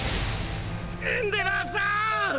エンデヴァーさん！